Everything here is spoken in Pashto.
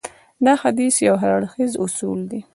دا حديث يو هراړخيز اصول دی.